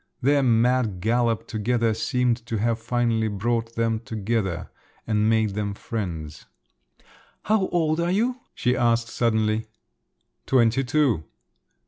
Their mad gallop together seemed to have finally brought them together and made them friends. "How old are you?" she asked suddenly. "Twenty two."